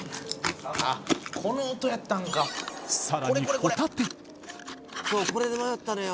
あっこの音やったんかさらにホタテそうこれで迷ったのよ